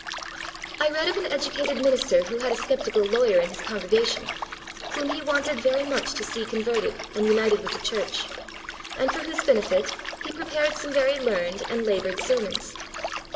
I read of an educated minister who had a sceptical lawyer in his congregation, whom he wanted very much to see converted and united with the church, and for whose benefit he prepared some very learned and laboured sermons.